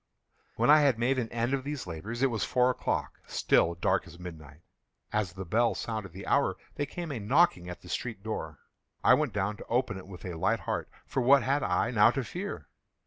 When I had made an end of these labors, it was four o'clock—still dark as midnight. As the bell sounded the hour, there came a knocking at the street door. I went down to open it with a light heart,—for what had I now to fear?